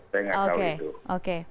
saya nggak tahu itu